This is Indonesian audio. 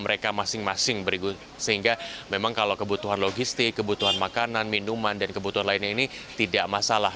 mereka masing masing sehingga memang kalau kebutuhan logistik kebutuhan makanan minuman dan kebutuhan lainnya ini tidak masalah